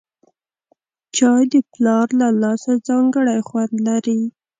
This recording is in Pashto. چای د پلار له لاسه ځانګړی خوند لري